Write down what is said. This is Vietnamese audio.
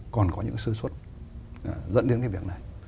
còn có những cái sơ xuất dẫn đến cái việc này